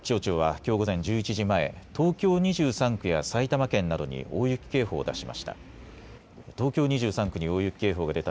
きょう午前１１時前、東京２３区や埼玉県などに大雪警報を出しました。